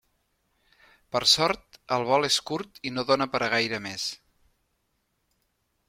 Per sort, el vol és curt i no dóna per a gaire més.